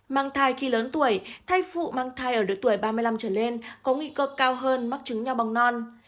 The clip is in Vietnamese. mang thai khi lớn tuổi thai phụ mang thai ở độ tuổi ba mươi năm trở lên có nguy cơ cao hơn mắc chứng nho bằng non